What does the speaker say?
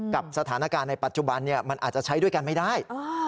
กับสถานการณ์ในปัจจุบันมันอาจจะใช้ด้วยกันไม่ได้